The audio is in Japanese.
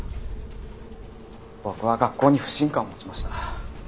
僕は学校に不信感を持ちました。